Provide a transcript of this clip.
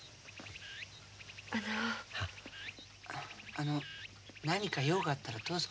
あの何か用があったらどうぞ。